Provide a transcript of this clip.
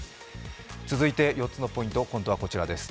続いて４つのポイント今度はこちらです。